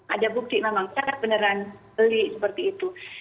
ada bukti memang saya beneran beli seperti itu